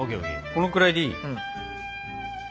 このくらいでいい？